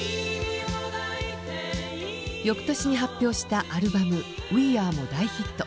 翌年に発表したアルバム「Ｗｅａｒｅ」も大ヒット。